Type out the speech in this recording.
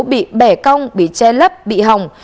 bị bẻ cong bị che lấp bị hỏng